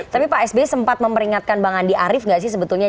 tapi pak sby sempat memperingatkan bang andi arief nggak sih sebetulnya